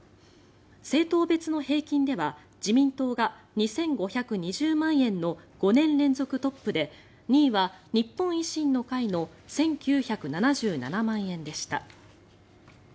政党別の平均では自民党が２５２０万円の５年連続トップで２位は日本維新の会の１９７７万円でした。